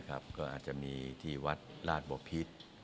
อาจจะมีที่วัดลาสบปีศ